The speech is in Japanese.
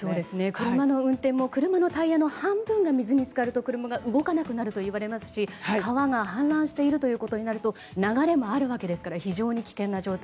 車の運転も車のタイヤの半分が水に浸かると車が動かなくなるといわれますし川が氾濫しているとなると流れもあるわけですから非常に危険な状態。